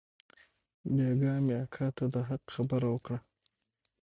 بيگاه مې اکا ته د حق خبره وکړه.